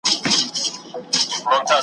ماته مې ابا خط را ولېږۀ